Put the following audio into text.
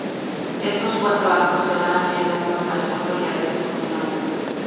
Estos cuatro actos, se van haciendo uno tras otro, y a veces continuamente.